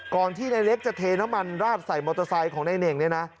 ที่ในเล็กจะเทน้ำมันราดใส่มอเตอร์ไซค์ของนายเน่งเนี่ยนะ